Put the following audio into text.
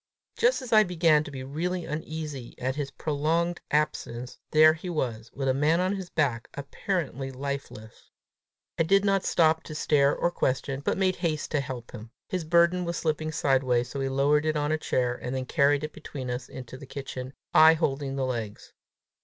Just as I began to be really uneasy at his prolonged absence, there he was, with a man on his back apparently lifeless! I did not stop to stare or question, but made haste to help him. His burden was slipping sideways, so we lowered it on a chair, and then carried it between us into the kitchen, I holding the legs.